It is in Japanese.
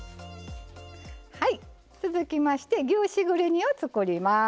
続きまして牛しぐれ煮を作ります。